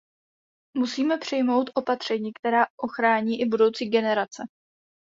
Musíme přijmout opatření, která ochrání i budoucí generace.